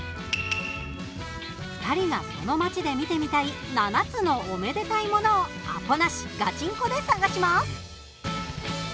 ２人が、その町で見てみたい７つのおめでたいものをアポなしガチンコで探します。